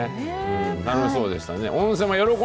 楽しそうでしたね。